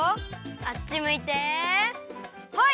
あっちむいてホイ！